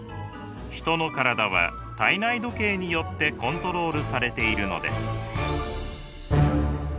人の体は体内時計によってコントロールされているのです。